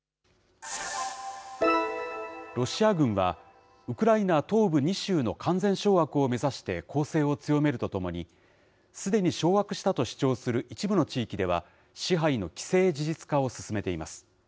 ロシア軍は、ウクライナ東部２州の完全掌握を目指して攻勢を強めるとともに、すでに掌握したと主張する一部の地域では、支配の既成事実化を進めています。